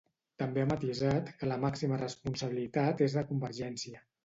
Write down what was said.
També ha matisat que la màxima responsabilitat és de Convergència.